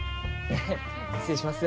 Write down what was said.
失礼します。